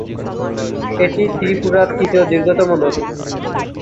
এটি ত্রিপুরার ত্রিতীয় দীর্ঘতম নদী।